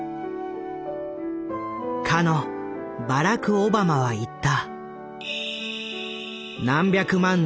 かのバラク・オバマは言った。